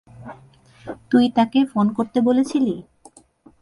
তুই তাকে ফোন করতে বলেছিলি?